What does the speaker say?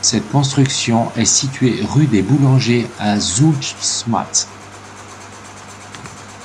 Cette construction est située rue des Boulangers à Soultzmatt.